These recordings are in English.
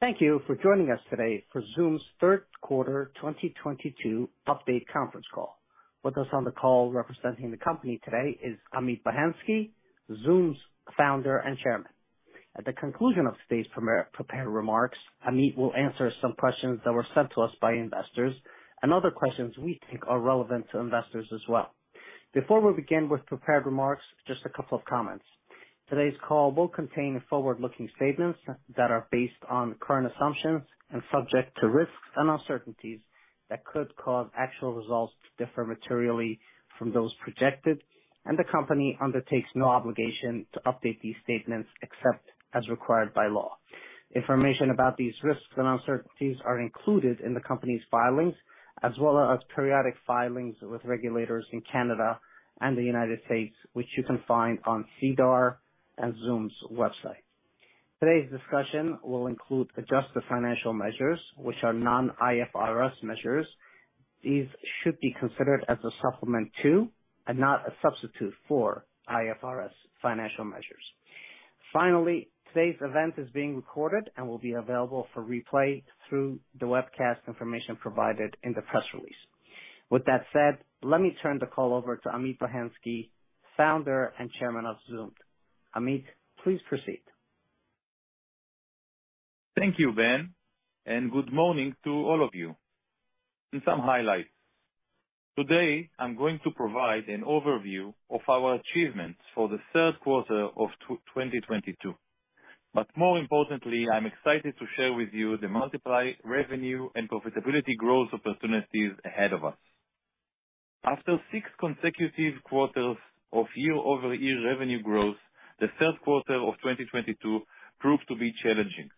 Thank you for joining us today for Zoomd's third quarter 2022 update conference call. With us on the call representing the company today is Amit Bohensky, Zoomd's Founder and Chairman. At the conclusion of today's prepared remarks, Amit will answer some questions that were sent to us by investors and other questions we think are relevant to investors as well. Before we begin with prepared remarks, just a couple of comments. Today's call will contain forward-looking statements that are based on current assumptions and subject to risks and uncertainties that could cause actual results to differ materially from those projected. The company undertakes no obligation to update these statements except as required by law. Information about these risks and uncertainties are included in the company's filings as well as periodic filings with regulators in Canada and the United States, which you can find on SEDAR and Zoomd's website. Today's discussion will include adjusted financial measures, which are non-IFRS measures. These should be considered as a supplement to and not a substitute for IFRS financial measures. Finally, today's event is being recorded and will be available for replay through the webcast information provided in the press release. With that said, let me turn the call over to Amit Bohensky, Founder and Chairman of Zoomd. Amit, please proceed. Thank you, Ben. Good morning to all of you. In some highlights, today I'm going to provide an overview of our achievements for the third quarter of 2022. More importantly, I'm excited to share with you the multiply revenue and profitability growth opportunities ahead of us. After six consecutive quarters of year-over-year revenue growth, the third quarter of 2022 proved to be challenging.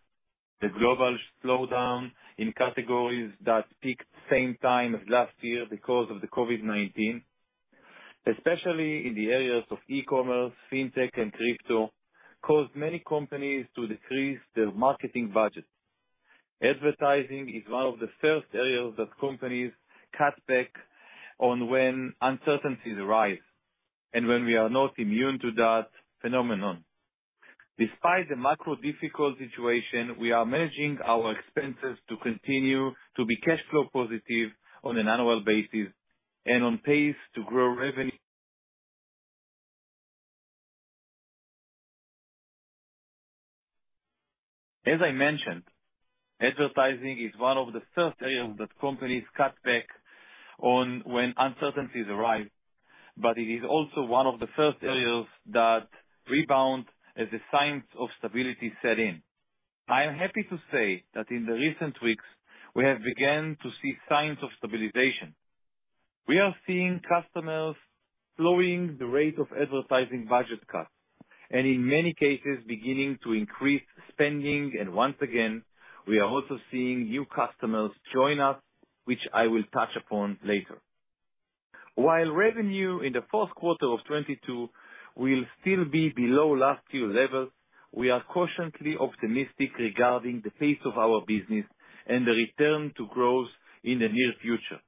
The global slowdown in categories that peaked same time as last year because of the COVID-19, especially in the areas of e-commerce, fintech, and crypto, caused many companies to decrease their marketing budget. Advertising is one of the first areas that companies cut back on when uncertainties arise and when we are not immune to that phenomenon. Despite the macro difficult situation, we are managing our expenses to continue to be cash flow positive on an annual basis and on pace to grow revenue. As I mentioned, advertising is one of the first areas that companies cut back on when uncertainties arise, but it is also one of the first areas that rebound as the signs of stability set in. I am happy to say that in the recent weeks we have begun to see signs of stabilization. We are seeing customers slowing the rate of advertising budget cuts, and in many cases beginning to increase spending, and once again, we are also seeing new customers join us, which I will touch upon later. While revenue in the fourth quarter of 2022 will still be below last year's level, we are cautiously optimistic regarding the pace of our business and the return to growth in the near future.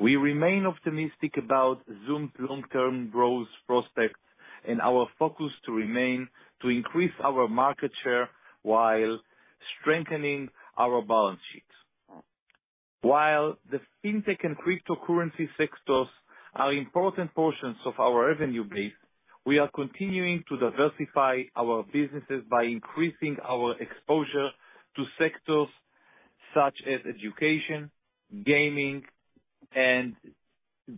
We remain optimistic about Zoomd's long-term growth prospects and our focus to remain to increase our market share while strengthening our balance sheets. While the fintech and cryptocurrency sectors are important portions of our revenue base, we are continuing to diversify our businesses by increasing our exposure to sectors such as education, gaming, and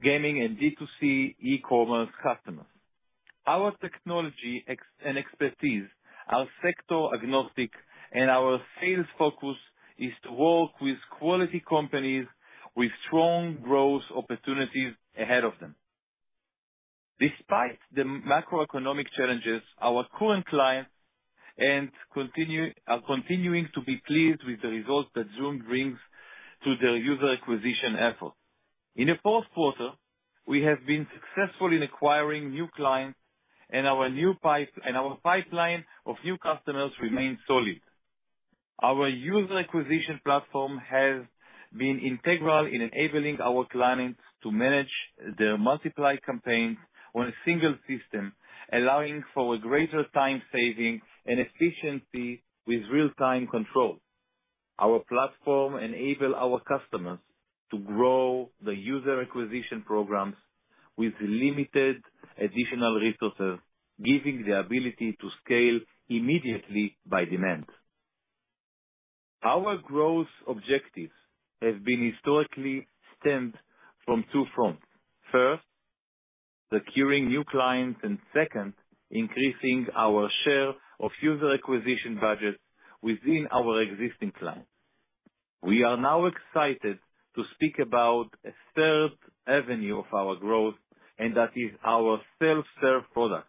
D2C e-commerce customers. Our technology and expertise are sector-agnostic, our sales focus is to work with quality companies with strong growth opportunities ahead of them. Despite the macroeconomic challenges, our current clients are continuing to be pleased with the results that Zoomd brings to their user acquisition efforts. In the fourth quarter, we have been successful in acquiring new clients and our pipeline of new customers remains solid. Our user acquisition platform has been integral in enabling our clients to manage their multiply campaigns on a single system, allowing for a greater time saving and efficiency with real-time control. Our platform enable our customers to grow the user acquisition programs with limited additional resources, giving the ability to scale immediately by demand. Our growth objectives have been historically stemmed from two fronts. First, securing new clients, and second, increasing our share of user acquisition budgets within our existing clients. We are now excited to speak about a third avenue of our growth, and that is our self-serve product.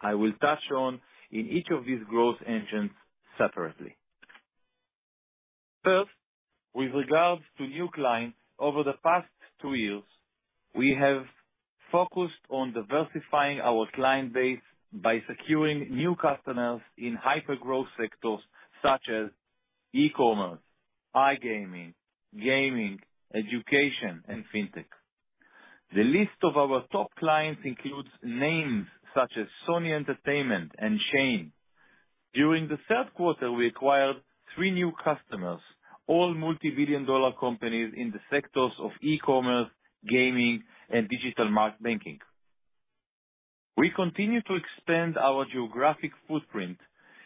I will touch on in each of these growth engines separately. First, with regards to new clients, over the past two years, we have focused on diversifying our client base by securing new customers in hyper-growth sectors such as e-commerce, iGaming, gaming, education, and fintech. The list of our top clients includes names such as Sony Entertainment and Shein. During the third quarter, we acquired three new customers, all multi-billion dollar companies in the sectors of e-commerce, gaming, and digital marketing. We continue to expand our geographic footprint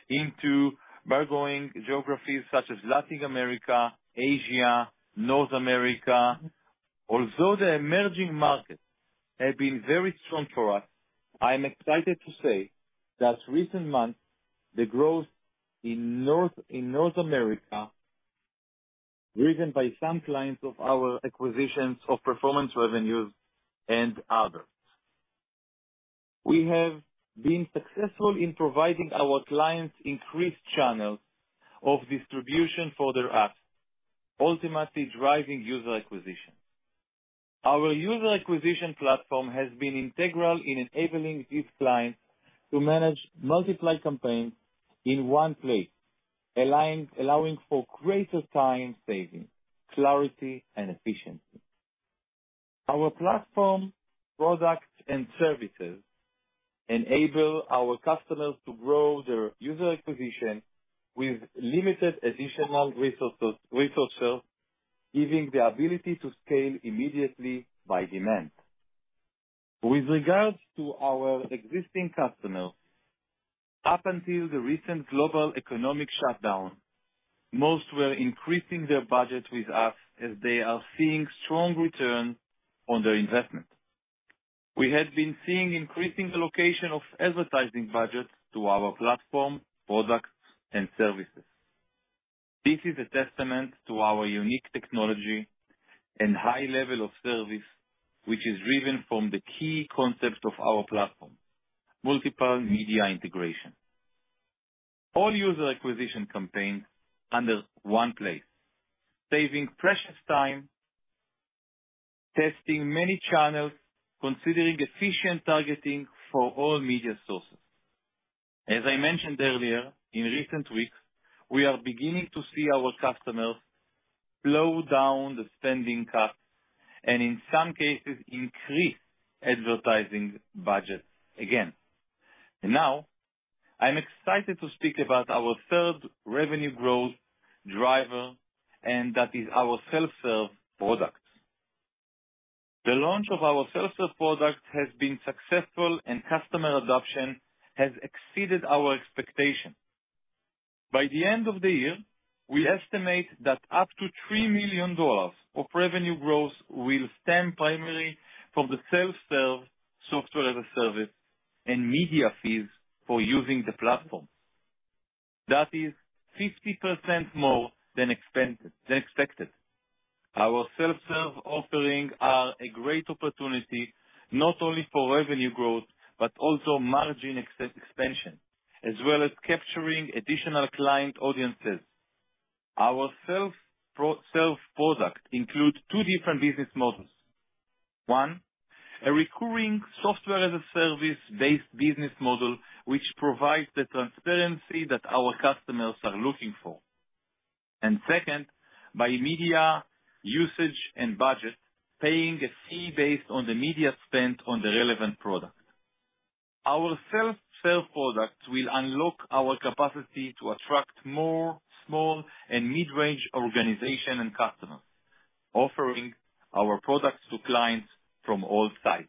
into burgeoning geographies such as Latin America, Asia, North America. The emerging markets have been very strong for us, I am excited to say that recent months, the growth in North America, driven by some clients of our acquisitions of Performance Revenues and others. We have been successful in providing our clients increased channels of distribution for their apps, ultimately driving user acquisition. Our user acquisition platform has been integral in enabling these clients to manage multiple campaigns in one place, allowing for greater time saving, clarity and efficiency. Our platform, products and services enable our customers to grow their user acquisition with limited additional resources, giving the ability to scale immediately by demand. With regards to our existing customers, up until the recent global economic shutdown, most were increasing their budget with us as they are seeing strong return on their investment. We have been seeing increasing allocation of advertising budgets to our platform, products and services. This is a testament to our unique technology and high level of service, which is driven from the key concepts of our platform, multiple media integration. All user acquisition campaigns under one place, saving precious time, testing many channels, considering efficient targeting for all media sources. As I mentioned earlier, in recent weeks, we are beginning to see our customers slow down the spending cuts and in some cases increase advertising budget again. Now I'm excited to speak about our third revenue growth driver, and that is our self-serve products. The launch of our self-serve product has been successful and customer adoption has exceeded our expectation. By the end of the year, we estimate that up to $3 million of revenue growth will stem primarily from the self-serve Software as a Service and media fees for using the platform. That is 50% more than expected. Our self-serve offering are a great opportunity not only for revenue growth, but also margin ex-expansion, as well as capturing additional client audiences. Our Self-product includes two different business models. One, a recurring software-as-a-service based business model, which provides the transparency that our customers are looking for. Second, by media usage and budget, paying a fee based on the media spent on the relevant product. Our self-serve products will unlock our capacity to attract more small and mid-range organization and customers, offering our products to clients from all sizes.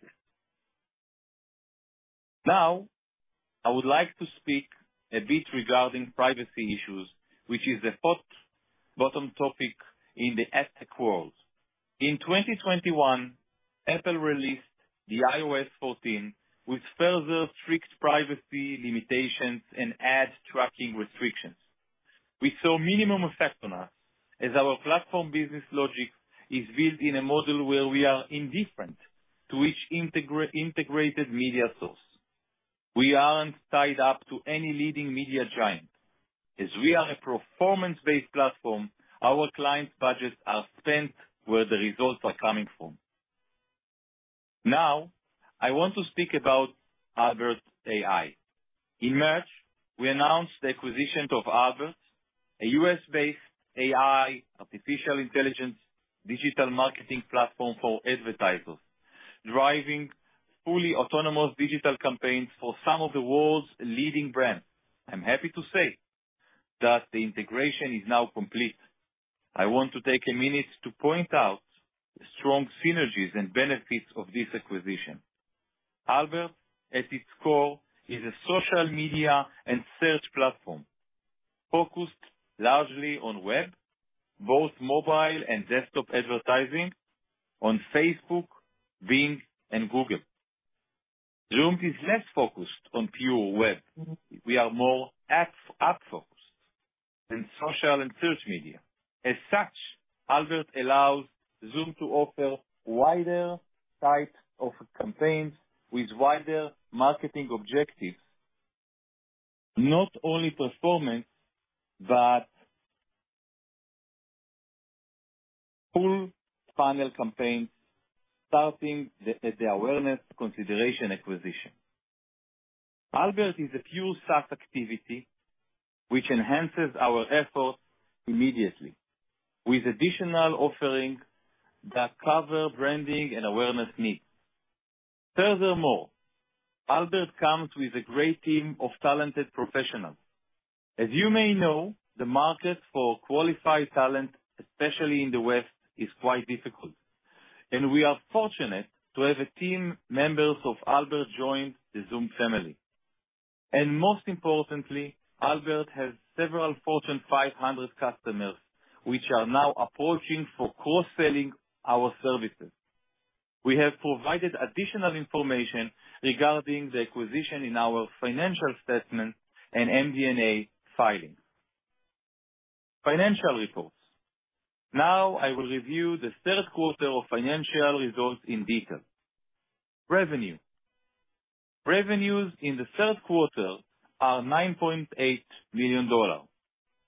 I would like to speak a bit regarding privacy issues, which is the hot button topic in the AdTech world. In 2021, Apple released the iOS 14, which further strict privacy limitations and ad tracking restrictions. We saw minimum effect on us as our platform business logic is built in a model where we are indifferent to each integrated media source. We aren't tied up to any leading media giant. We are a performance-based platform, our clients' budgets are spent where the results are coming from. I want to speak about Albert AI. In March, we announced the acquisition of Albert, a U.S.-based AI, artificial intelligence, digital marketing platform for advertisers, driving fully autonomous digital campaigns for some of the world's leading brands. I'm happy to say that the integration is now complete. I want to take a minute to point out the strong synergies and benefits of this acquisition. Albert, at its core, is a social media and search platform focused largely on web, both mobile and desktop advertising on Facebook, Bing, and Google. Zoomd is less focused on pure web. We are more app-focused in social and search media. As such, Albert allows Zoomd to offer wider types of campaigns with wider marketing objectives, not only performance, but full funnel campaigns, starting at the awareness consideration acquisition. Albert is a pure SaaS activity which enhances our efforts immediately with additional offerings that cover branding and awareness needs. Albert comes with a great team of talented professionals. As you may know, the market for qualified talent, especially in the West, is quite difficult, and we are fortunate to have a team members of Albert join the Zoomd family. Most importantly, Albert has several Fortune 500 customers which are now approaching for cross-selling our services. We have provided additional information regarding the acquisition in our financial statement and MD&A filing. Financial reports. I will review the third quarter of financial results in detail. Revenue. Revenues in the third quarter are $9.8 million,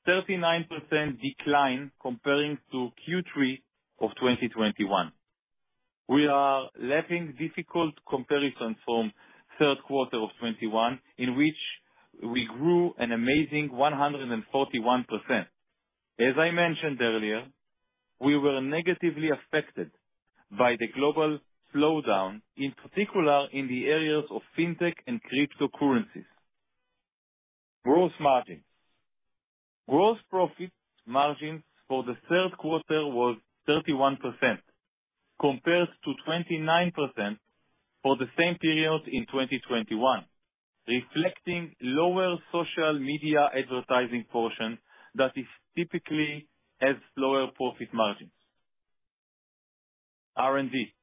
39% decline comparing to Q3 of 2021. We are lapping difficult comparisons from third quarter of 2021, in which we grew an amazing 141%. As I mentioned earlier, we were negatively affected by the global slowdown, in particular in the areas of fintech and cryptocurrencies. Gross margins. Gross profit margins for the third quarter was 31% compared to 29% for the same period in 2021, reflecting lower social media advertising portion typically has lower profit margins. R&D.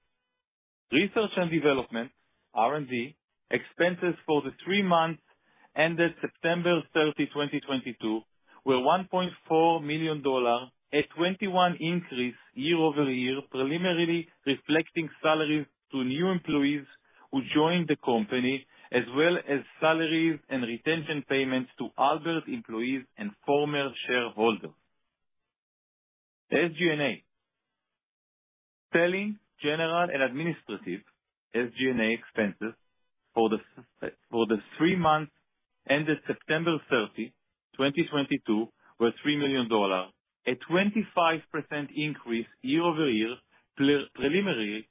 Research and development, R&D, expenses for the three months ended September 30, 2022 were $1.4 million, a 21% increase year-over-year, preliminarily reflecting salaries to new employees who joined the company, as well as salaries and retention payments to Albert employees and former shareholders. SG&A. Selling, general and administrative, SG&A, expenses for the three months ended September 30, 2022, were $3 million, a 25% increase year-over-year, preliminarily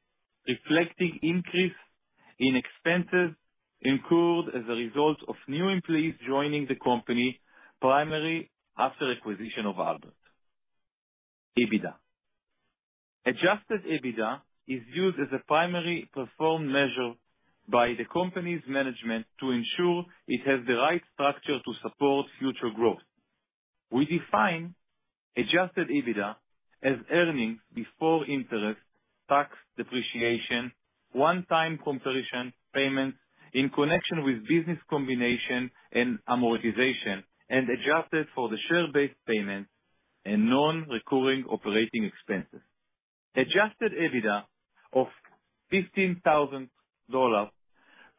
reflecting increase in expenses incurred as a result of new employees joining the company primarily after acquisition of Albert. EBITDA. Adjusted EBITDA is used as a primary perform measure by the company's management to ensure it has the right structure to support future growth. We define adjusted EBITDA as earnings before interest, tax, depreciation, one-time completion payments in connection with business combination and amortization, and adjusted for the share-based payments and non-recurring operating expenses. Adjusted EBITDA of $15,000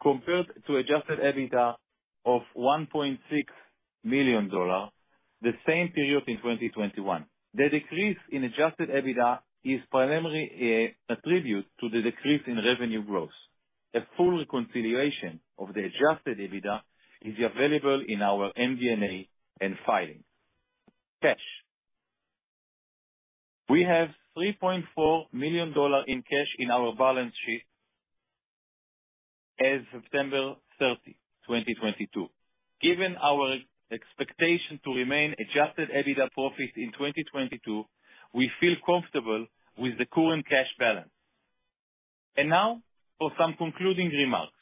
compared to adjusted EBITDA of $1.6 million the same period in 2021. The decrease in adjusted EBITDA is primarily attributed to the decrease in revenue growth. A full reconciliation of the adjusted EBITDA is available in our MD&A and filing. Cash. We have $3.4 million in cash in our balance sheet as of September 30, 2022. Given our expectation to remain adjusted EBITDA profits in 2022, we feel comfortable with the current cash balance. Now for some concluding remarks.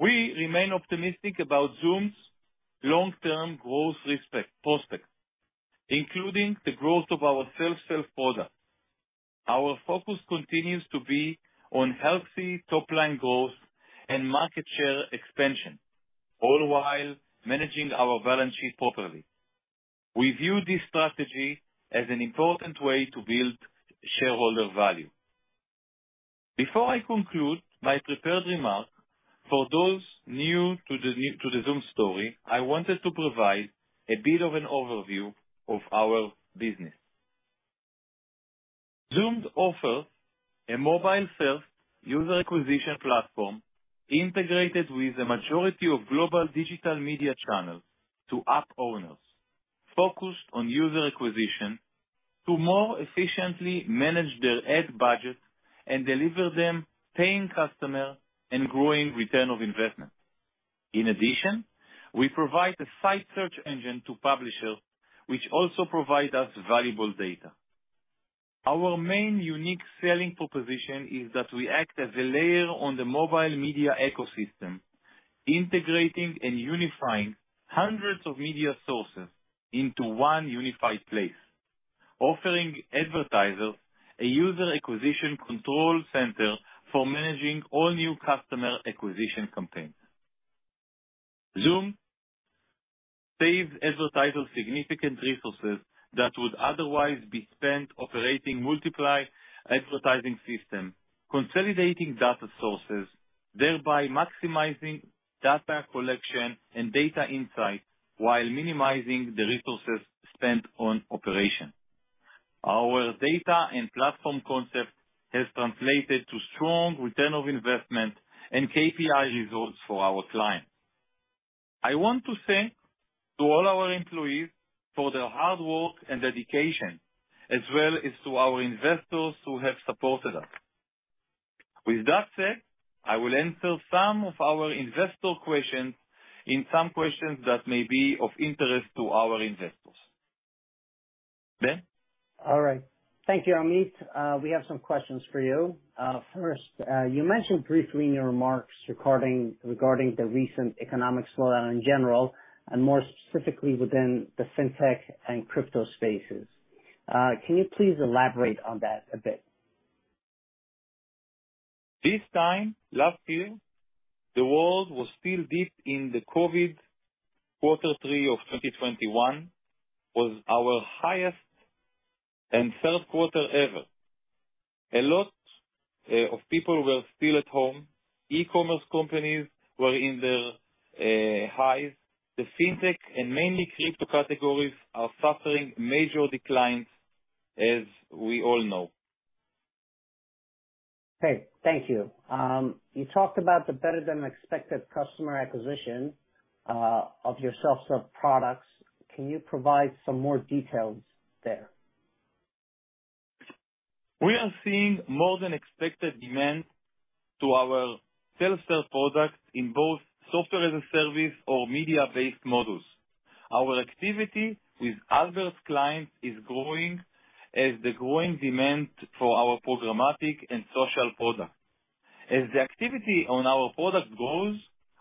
We remain optimistic about Zoomd's long-term growth prospects, including the growth of our self-serve product. Our focus continues to be on healthy top-line growth and market share expansion, all while managing our balance sheet properly. We view this strategy as an important way to build shareholder value. Before I conclude my prepared remarks, for those new to the Zoomd story, I wanted to provide a bit of an overview of our business. Zoomd offers a mobile-first user acquisition platform integrated with a majority of global digital media channels to app owners, focused on user acquisition to more efficiently manage their ad budget and deliver them paying customer and growing return of investment. In addition, we provide a site search engine to publishers, which also provide us valuable data. Our main unique selling proposition is that we act as a layer on the mobile media ecosystem, integrating and unifying hundreds of media sources into one unified place, offering advertisers a user acquisition control center for managing all new customer acquisition campaigns. Zoomd saves advertisers significant resources that would otherwise be spent operating multiply advertising system, consolidating data sources, thereby maximizing data collection and data insight while minimizing the resources spent on operation. Our data and platform concept has translated to strong return of investment and KPI results for our clients. I want to thank to all our employees for their hard work and dedication, as well as to our investors who have supported us. With that said, I will answer some of our investor questions and some questions that may be of interest to our investors. Ben? All right. Thank you, Amit. We have some questions for you. First, you mentioned briefly in your remarks regarding the recent economic slowdown in general, and more specifically within the fintech and crypto spaces. Can you please elaborate on that a bit? This time last year, the world was still deep in the COVID. Quarter three of 2021 was our highest and third quarter ever. A lot of people were still at home, e-commerce companies were in their highs. The fintech and mainly crypto categories are suffering major declines as we all know. Okay. Thank you. You talked about the better than expected customer acquisition of your self-serve products. Can you provide some more details there? We are seeing more than expected demand to our self-serve products in both software as a service or media-based models. Our activity with Albert's clients is growing as the growing demand for our programmatic and social product. As the activity on our product grows,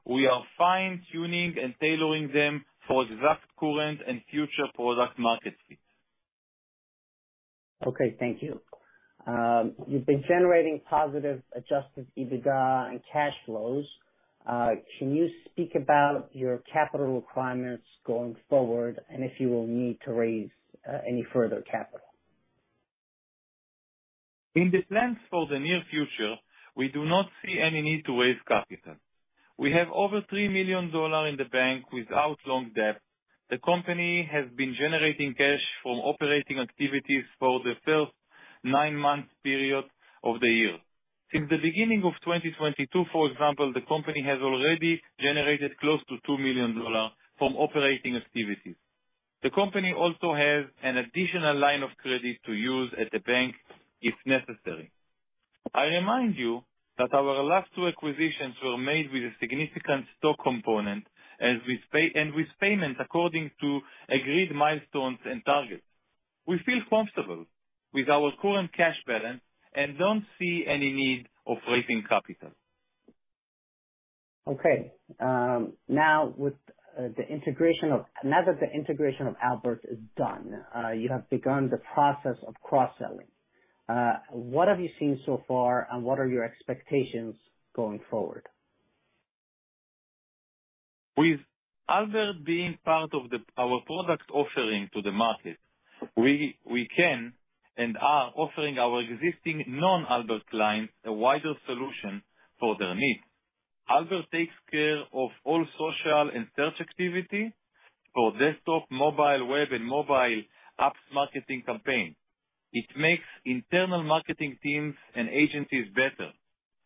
we are fine-tuning and tailoring them for the vast current and future product market fit. Thank you. You've been generating positive adjusted EBITDA and cash flows. Can you speak about your capital requirements going forward and if you will need to raise any further capital? In the plans for the near future, we do not see any need to raise capital. We have over $3 million in the bank without long debt. The company has been generating cash from operating activities for the first nine-month period of the year. Since the beginning of 2022, for example, the company has already generated close to $2 million from operating activities. The company also has an additional line of credit to use at the bank if necessary. I remind you that our last two acquisitions were made with a significant stock component, and with payment according to agreed milestones and targets. We feel comfortable with our current cash balance and don't see any need of raising capital. Okay. Now that the integration of Albert is done, you have begun the process of cross-selling. What have you seen so far, and what are your expectations going forward? Albert being part of our product offering to the market, we can and are offering our existing non-Albert clients a wider solution for their needs. Albert takes care of all social and search activity for desktop, mobile, web, and mobile apps marketing campaign. It makes internal marketing teams and agencies better,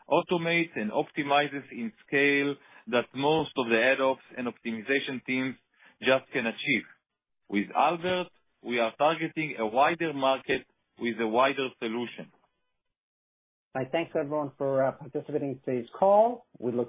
automates and optimizes in scale that most of the ad ops and optimization teams just can achieve. Albert, we are targeting a wider market with a wider solution. I thank everyone for participating in today's call.